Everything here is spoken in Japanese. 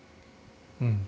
うん。